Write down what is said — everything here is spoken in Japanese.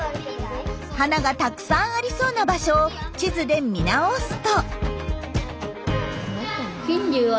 花がたくさんありそうな場所を地図で見直すと。